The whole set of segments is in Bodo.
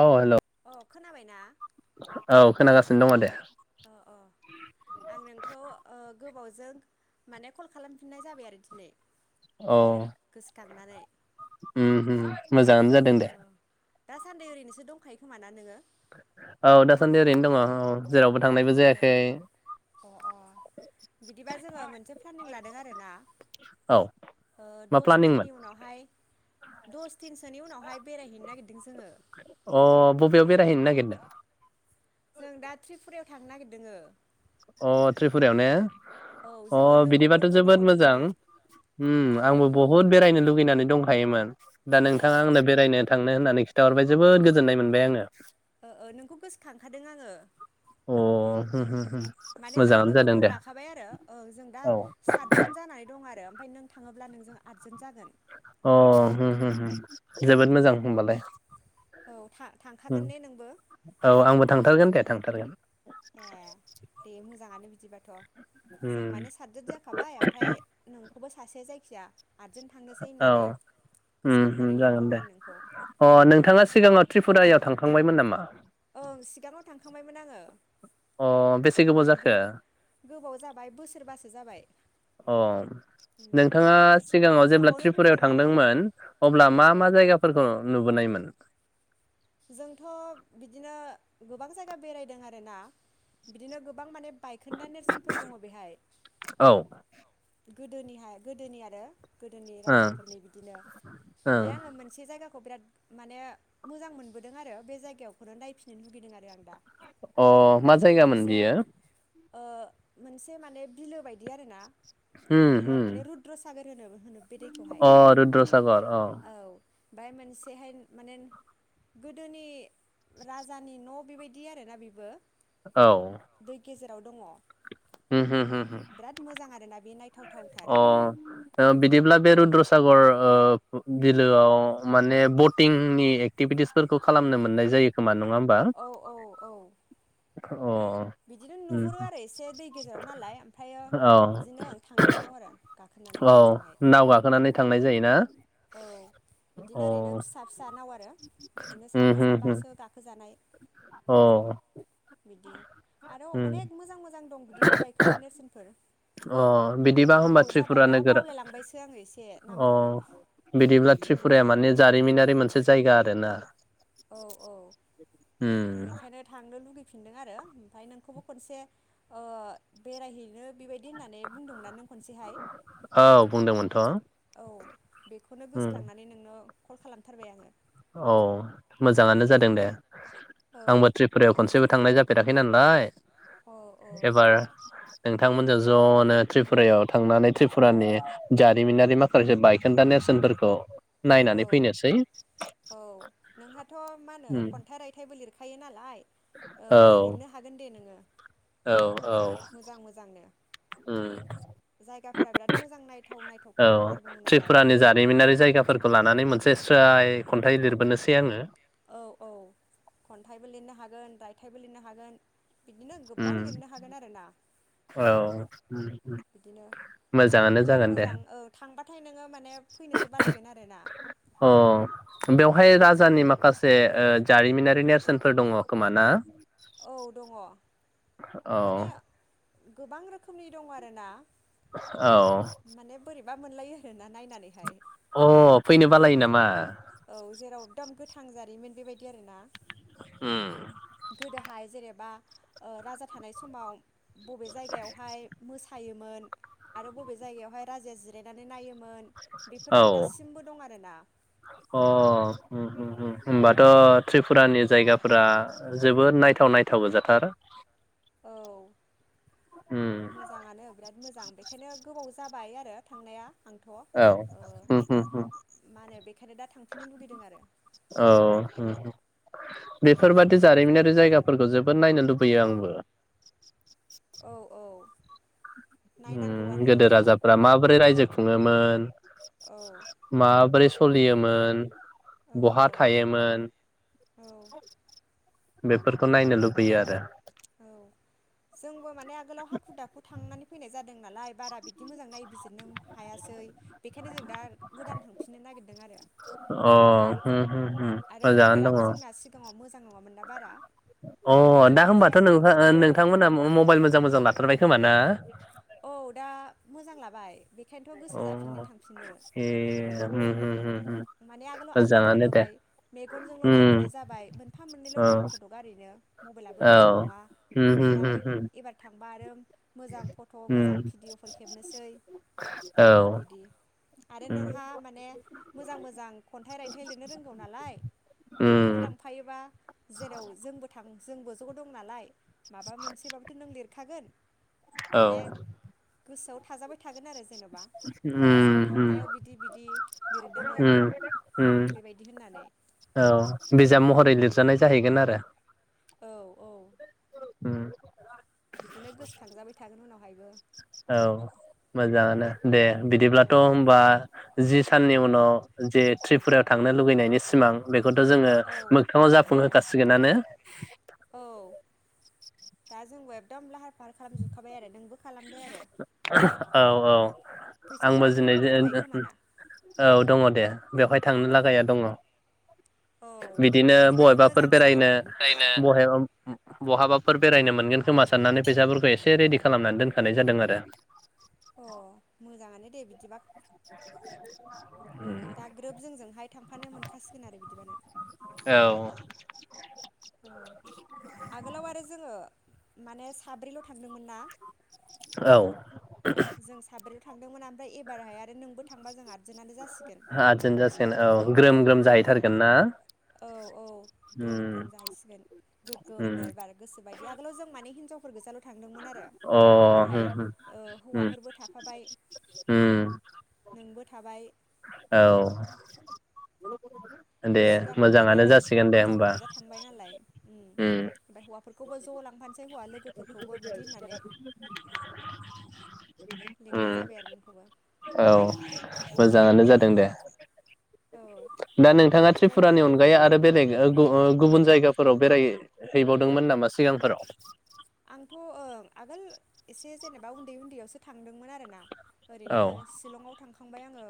औ हेलौ अ खोनाबायना? औ खोनागासिनो दङ दे। [inaudible] आं नोंखौ ओ गोबावजों माने कल खालामफिननाय जाबाय आरो दिनै। औ [unintelligible] उम होम मोजाङानो जादों औ दे। दासान्दि ओरैनोसो दंखायो खोमा ना नोङो? औ दासान्दि ओरैनो दङ औ जेरावबो थांनायबो अ जायाखै अ अ बिदिबा जोङो मोनसे प्लानिं लादों आरोना औ ओ मा दस प्लानिंमोन दिननि उनावहाय दस दिनसोनि उनावहाय बेरायहैनो नागिरदों जोङो। अ बबेयाव बेरायहैनो नागिरदों जों दा त्रिपुरायाव थांनो नागिरदोङो। अ त्रिपुरायाव ने औ अ जोङो बिदिबाथ' लोगोफोरबो दङ जोबोद मोजां बिदिनो उम औ आंबो बहुद बेरायनो लुगैनानै दं हायोमोन अ दा ओ नोंथाङा आंनो बेरायनो थांनो होननानै खिन्थाहरबाय जोबोद गोजोननाय मोनबाय आङो। ओ ओ नोंखौ गोसोखांखादों आङो। अ होम होम होम माने जोङो मोजाङानो जादों लोगोफोर दे लाखाबाय आरो जों दा औ सातजोन जानानै दं आरो नों थाङोब्ला नोंजों आटजोन जागोन। अ होम होम होम जोबोद मोजां होमबालाय। औ थांखागोन ने नोंबो। औ आंबो थांथारगोन दे थांथारगोन। ए दे मोजाङानो बिदिबाथ' जों उम माने साथजोन जाखाबाय ओमफ्राय नोंखौबो सासे जायखिजाया औ उम हो गोसोखांनानै जागोन लेंहरबाय दे आं नोंखौ अ नोंथाङा सिगाङाव त्रिपुरायाव थांखांबायमोन नामा? ओं सिगाङाव थांखांबायमोन आङो। अ बेसे गोबाव गो जाखो गोबाव जाबाय बोसोरबासो जाबाय अ नोंथाङा ओमफ्रायो सिगाङाव जेब्ला थांबावनो त्रिपुरायाव लुगैदों आरो थांदोंमोन अब्ला औ मा औ मा जायगाफोरखौ नुबोनायमोन? जोंथ' बिदिनो गोबां जायगा बेरायदों आर ना बिदिनो गोबां माने बायखोन्दा नेरसोनफोर दङ बेहाय औ गोदोनिहाय गोदोनि आरो गोदोनि ओं राजाफोरनि बिदिनो ओं ओमफ्राय आङो मोनसे जायगा खौ बिराद माने मोजां नुबोदों आरो बे जायगायावखौनोदा नायफिननो लुगैदों आरो आं दा अ मा जायगामोन मोनसे बियो? ओ मोनसे माने बिलो बायदि आरोना उम बेहाय उम माने रुद्र सागोर होनो होनो बे दैखौहाय अ रुद्रसागर अ ओ बाय मोनसेहाय माने गोदोनि राजानि न' बेबायदि आरोना बेबो औ दाउ दङ उम हो हो हो हो बिराद मोजां आरोना बे नायथाव अ ओ बिदिब्ला बे रुद्रसागर सागर ओ औ बिलोआव माने ब थिंनि एक्टिभिटिसफोरखौ खालामनो मोननाय जायो खोमा न' नङा होनबा अ औ औ औ बिदिनो ओम नुहुरो आरो एसे दै गेजेराव नालाय ओमफ्रायो औ बिदिनो ओं थांनांगौ आरो गाखोनानै औ नावजोंहाय नाव गाखोनानै थांनाय जायो ना? औ बिदिनो ओरैनो फिसा फिसा नाव आरो बिदिनो उम साब्रै होम होम साबासो गाखोजानाय। अ बिदि आरो उम अनेक मोजां मोजां दं बिदिनो बायखोन्दा नेरसोनफोर अ बिदिबा होनबा गोबाव त्रिपुरा जाबायना नोगोर बावलायलांबायसो आङो एसे अ नामफोरखौ बिदिब्ला गोबाव त्रिपुराया माने जानायखाय जारिमिनारि मोनसे जायगा आरोना [unintelligible] औ औ उम बेखायनो थांनो लुगै फिनदों आरो ओमफाय नोंखौबो खनसे ओ बेरायहैनो बेबाय दि होननानै बुंदोंमोनना नों खनसेहाय औ बुंदोंमोनथ' औ बेखौनो उम गोसोखांनानै नोंनो कल खालामथारबाय आङो। औ मोजाङानो जादों दे औ आंबो त्रिपुरायाव खनसेबो थांनाय जाफेरा खै नालाय औ एबार नोंथांमोनजों ज' नो त्रिपुरायाव थांनानै त्रिपुरानि जारिमिनारि माखासे बायखोन्दा नेरसोनफोरखौ औ नायनानै फैनोसै औ नोंहाथ' मा होनो उम खन्थाइ रायथाइबो लिरखायो नालाय ओ औ लिरनो हागोन दे नोङो औ औ मोजां मोजांनो उम जायगाफोरा बिराद मोजां नायथाव औ नायथावथार दङ नालाय त्रिपुरानि जारिमिनारि जायगाफोरखौ लानानै मोनसे स्राय खन्थाइ लिरबोनोसै आङो औ औ खन्थाइबो लिरनो हागोन रायथाइबो लिरनो हागोन बिदिनो गोबां लिरनो हागोन आरोना औ बिदिनो मोजाङानो मोजां जागोन दे मोजां औ थांबाथाय नोङो माने फैनोसो बालायगोन आरोना। हाय राजानि माखासे ओ जारिमिनारि नेरसोनफोर दङ खोमा ना? औ दङ। माने औ गोबां रोखोमनि दं आरोना औ -बा मोनलायो आरोना नायनो अ फैनो बालायो नामा औ जेराव एकदम गोथां जारिमिन बेबायदि आरोना उम गोदोहाय जेनेबा ओ राजा थानाय समाव बबे जायगायावहाय मोसा थायोमोन आरो बबे जायगायावहाय राजाया जिरायनानै नायोमोन बेफोरो औ दासिमबो दं आरोना अ उम उम उम होनोमबाथ त्रिपुरानि जायगाफोरा जोबोद नायथाव नायथाव गोजाथार औ उम मोजाङानो बिराद मोजां बेखायनो गोबाव जाबाय आरो थांनाया आंथ ओ औ उम उम उम मा होनो बेखायनो दा थांफिननो लुगैदों आरो औ उम बेफोरबादि जारिमिनारि जायगाफोरखौ जोबोद नायनो लुबैयो आंबो औ औ उम नायनांगौआनो गोदो राजाफ्रा माबोरै रायजो खुङोमोन औ माब्रैस सलियोमोन औ औ बहा थायोमोन औ बेफोरखौ नायनो लुबैयो आरो औ जोंबो माने आगोलाव हाखु दाखु थांनानै फैनाय जाद दों नालाय बारा बिदि मोजां नायबिजिरनो हायासै बेनिखायनो जों दा गोदान थांफिननो नागिरदों आरो अ होम होम होम आरो मोजाङानो दङ मबाइलाबो जोंना सिगाङाव मोजां नङा नङामोन ना बारा अ बिदिनो दा खेबनाय होमबाथ नो जायासै बारा नोंथांमोना मबाइल मोजां मोजां लाथारबाय खोमा ना? औ दा मोजां लाबाय बेखायनोथ' गोसो अ जाफिनदों थांफिननो ए उम उम उम माने आगोलाव आद्रा थाबोबाय मेगनजोंल उम नायबोनाय जाबाय मोनफा मोननैल औ दं फटगा ओरैनो मबाइलाबो औ मोजां नङा होम होम दा होम होम एबार थां बारो। मोजां फट मोजां उम भिडिअफोर खेबनोसै औ बिदि आरो उम नोंहा माने। मोजां मोजां खन्थाइ रायथाइ लिरनो रोंगौ नालाय नोंखौ उम लांफायोबा जेराव जोंबो थां। थां जोंबो ज दं नालाय। माबा मोनसेबाबोथ नों लिरखागोन। औ माने गोसोआव। थाजाबाय। थागोन आरो जेन'बा जों उम उम थांनायाव बिदि बिदि। लिरदोङो उम उम बेबायदि होननानै औ बिजाम। महरै लिरजानाय जाहैगोन आरो। औ औ। उम। बिदिनो गोसोखांजाबाय थागोन उनाव। आयबो। औ मोजांआनो। दे औ बिदिब्लाथ' होमबा जि साननि उनाव जे त्रिपुरायाव। थांनो लुगैनायनि सिमां बे। थ' जोङो औ मोगथाङाव औ जाफुंहोखासिगोनानो। औ दा जोंबो एबदाम लाहार। आफार खालामजोबखाबाय आरो नोंबो खालामदो आरो। औ औ। आंबो फैसाफोराथ' जिनै जगार दंखायो [unintelligible] खोमाना औ दङ दे। बेवहाय थांनो लागाया दङ। औ बिदिनो बिदिबाथ' बहेबाफोर मोजांसो बेरायनो जायनो बहेबम बहाबा। फोर बेरायनो मोनगोन खोमा साननानै फैसाफोर। खौ एसे रेडि खालामनानै दोनखानाय जादों आरो। अ मोजाङानो दे बिदिबा। [unintelligible] दा ग्रोब जोंजोंहाय थांफानो मोनखासिगोन आरो बिदिबानो। [unintelligible] औ आगोलाव आरो जोङो माने साब्रैल' थांदोंमोन ना। औ। जों साब्रै। थांदोंमोन ओमफ्राय एबारहाय आरो नोंबो थांबा जोंहा। हाजोन जासिगोन औ ग्रोम ग्रोम औ जाहैथारगोन ना औ औ ग्रोम उम ग्रोम जाहैसिगोन उम गोगोमनो एबार गोसोबायदि आगोलाव जों माने हिनजावफोर गोजाल' थांदोंमोन आरो अ एबारहाय ओ हौवाफोरबो उम थाफाबाय उम नोंबो थाबाय उम उम। औ। दे सिगाङाव माने मोजाङानो जासिगोन दे हिनजावफोर होमबा गोजा थांबाय नालाय उम ओमफ्राय हौवा फोरफोरखौबो ज' लांफानोसै हौवा लोगोफोरखौबो बिदि होननानै लिंनाय जाबाय आरो नोंखौबो उम औ मो जाङानो जादों दे। औ दा नोंथाङा जायखिया त्रिपुरानि अनगायै आरो बेलेग ओ गु ओ गुबुन जायगाफोराव बेराय हैैबावदोंमोन नामा सिगांफोराव? आंथ' ओं आगोल एसे जेनेबा उन्दै उन्दैयावसो थांदोंमोन आरोना। ओरैनो औ शिलंआव थांखा थांबाय आङो।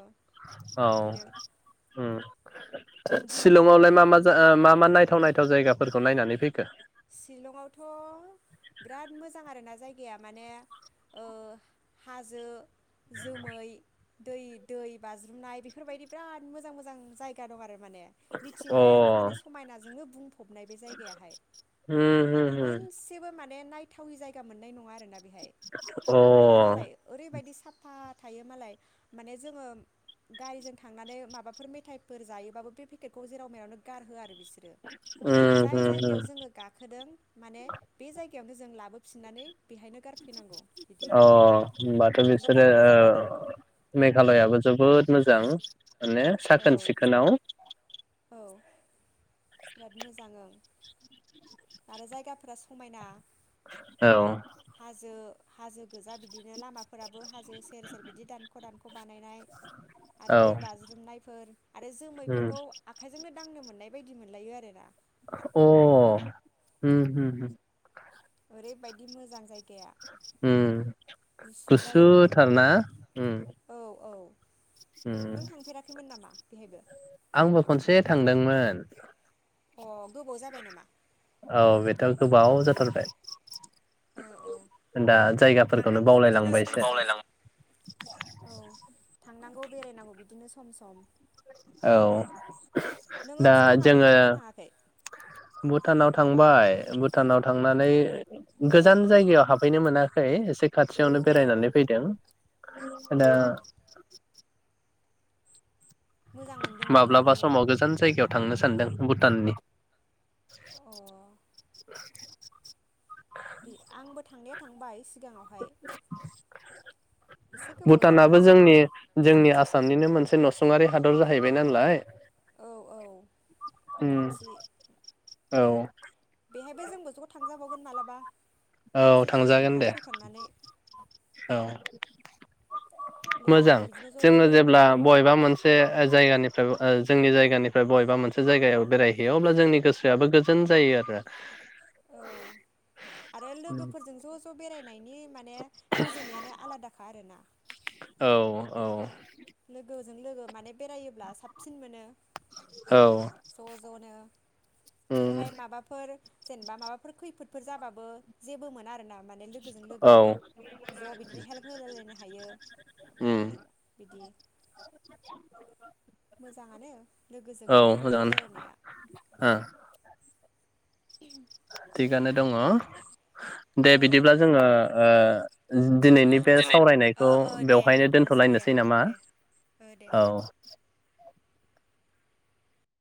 औ बिदिनो उम डिमापुरफ्राव सिलंआवलाय मा मा थांखांबाय जाय ओ मा मा नायथाव नायथाव जायगाफोर अ नायनानै फै सिलंआवथ' बिराद मोजां आरोना जाय गाया माने ओ हाजो जोमै दै-दै बाज्रुमनाय बेफोरबायदि बिराद मोजां मोजां जायगा दं आरो। माने अ मिथिंगायानो माने समायनाजोंनो बुं फबनाय बे जायगायाहाय। होम होम होम मोनसेबो माने नायथावै जायगा मोननाय नङा। आरोना बिहाय अ आरो मालाय ओरैबादि साफा थायो मालाय माने जोङो गारिजों थांनानै माबाफोर मेथाइफोर जायोबाबो बे पेकेटखौ जेराव मेरावनो गारहो आरो बिसोरो उम उम उम। होदों माने बे जायगायावनो जों लाबोफिननानै बेहायनो गारफैनांगौ बिदि अ उमबाथ बेहायबो बिसोरो गारग्रा जायगा दङ औ ओ मेघालयाबो जोबोद मोजां। माने औ साखोन सिखोनाव। औ जोबोद मोजां ओं। बे जायगाफोरा समायना। औ हाजो हाजो गोजा बिदिनो लामाफोराबो। हाजो सेर सेर बिदि दानख' दानख' बानायनाय आरो औ दै बाज्रुमनायफोर आरो उम जोमैफोरखौ आखाइजोंनो दांनो मोन मोनानाय बायदि मोनलायो आरो ना अ उम हो हो ओरैबायदि मोजां जायगा उम जायो गुसुथार बिदिनो ना? उम औ औ उम नों थांफेराखैमोन नामा बेहायबो? आंबो खनसे थांदोंमोन अ गोबाव जाबाय नामा? दा गोबाव जाथारबाय औ औ दा जायगाफोरखौनो थांनांगौ बिदिनो बावलायलांबाय सम एसे सम औ थांनांगौ बेरायनांगौ बिदिनो सम सम औ नोङो दा भुटानावलाय जोंङो थांगोना थाङाखै भुटानाव थां बाय भुटानाव थांनानै औ गोजान जायगायाव हाबफैनो मोना बै इसे खाथियावनो औ बेरायनानै फैदों अ दा मोजां मोनदोंना माब्लाबा थांनानै समाव गोजान जायगायाव थांनोस सानदों भुटाननि अ बे आंबो थांनाया थांबाय सिगाङावहाय एसे [inaudible] गोबाव जाबाय भुटानाबो आरो जोंनि जोंनि आस सामनिनो मोनसे नसुंयारि हादर जाहैबाय नालाय औ औ ओम खाथि औ बेहायबो जोंबो ज थां जाबावगोन मालाबा औ त्रिपुरायाव थांजागोन दे थांनानै फैखांनानै औ मोजां लोगोफोर बिदिनो ज' ज' जोंङो जेब्ला बेरायनांगौना बबेबा मोनसे जायगानिफ्राय ओ जोंनि जायगानिफ्राय बबेबा मोनसे जायगायाव बेरायहैयो अब्ला जोंनि गोसोआबो गोजोन जायो आरो औ आरो लोगोफोरजों ज' ज' बेराय बिनि माने गोजोननायानो आलादाखा आरोना? औ औ लोगोजों लोगो माने बेरायोब्ला साबसिन मोनो औ ज' ज'नो। उम बेहाय माबाफोर जेनेबा माबाफोर खैफोदफोर जाबाबो जेबो मोना आरोना माने लोगोजों लोगो औ ज' बिदिनो हेल्प होलायलायनो हायो उम बिदि [inaudible] मोजाङानो लोगोजों औ ज' ज' मोजाङानो बेरायनाया। ओ थिगानो दङ। दे औ बिदिब्ला जोङो ओ दिनैनि बे दिनै ओ सावरायनायखौ ओ दे बेवहायनो दोनथ'नोसै दे दोनथ'लायनोसै ओं नामा? दे ओ दे औ [inaudible]